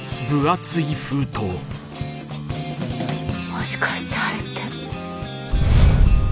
もしかしてあれって。